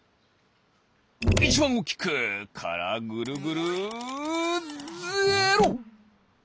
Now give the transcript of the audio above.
いちばんおおきく！からぐるぐるゼロ！